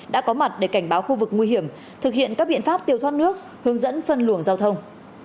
đã có mặt để cảnh báo khu vực nguy hiểm thực hiện các biện pháp tiêu thoát nước hướng dẫn phân luồng giao thông